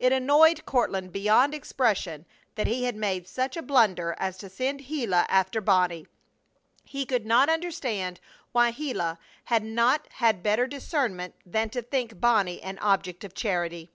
It annoyed Courtland beyond expression that he had made such a blunder as to send Gila after Bonnie. He could not understand why Gila had not had better discernment than to think Bonnie an object of charity.